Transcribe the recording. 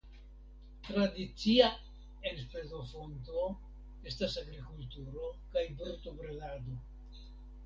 Tradicia enspezofonto estas agrikulturo kaj brutobredado.